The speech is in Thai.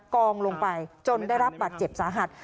กองลงไปจนได้รับบัตรเจ็บสาหัส